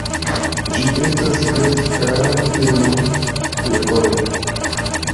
Ĝi estas klasika filmo de vojo.